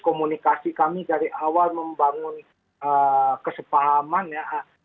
komunikasi kami dari awal membangun kesepahaman ya